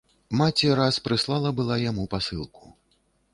Маці раз прыслала была яму пасылку.